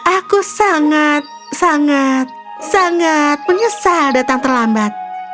aku sangat sangat menyesal datang terlambat